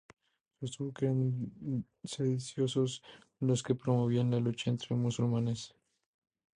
Sostuvo que eran sediciosos los que promovían la lucha entre musulmanes.